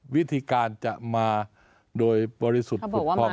วิธีการจะมาโดยบริสุทธิ์ปกครองหรือไม่